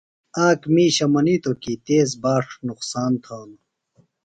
آک مِیشہ منِیتوۡ کی تیز باݜ نقصان تھانوۡ۔